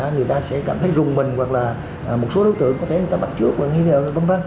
người ta sẽ cảm thấy rùng mình hoặc là một số đối tượng có thể người ta bắt trước v v